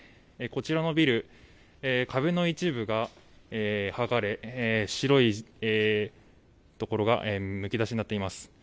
こちらのビル壁の一部が剥がれ、白いところがむき出しになっています。